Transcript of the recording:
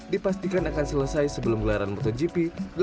dipastikan akan selesai sebelum gelaran motogp